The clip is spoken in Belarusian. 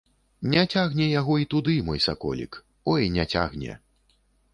Не цягне яго і туды, мой саколік, ой, не цягне!